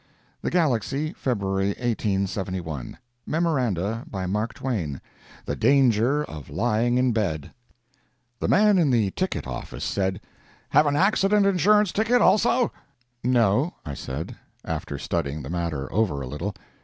THE GALAXY, February 1871 MEMORANDA. BY MARK TWAIN. THE DANGER OF LYING IN BED. The man in the ticket office said: "Have an accident insurance ticket, also?" "No," I said, after studying the matter over a little.